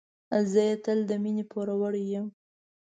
زه یې تل د مینې پوروړی یم.